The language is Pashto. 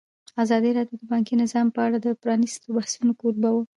ازادي راډیو د بانکي نظام په اړه د پرانیستو بحثونو کوربه وه.